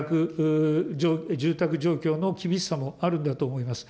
住宅状況の厳しさもあるんだと思います。